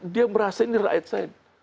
dia merasa ini rakyat saya